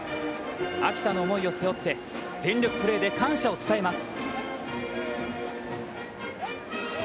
秋田の思いを背負って全力プレーで感謝を伝えます。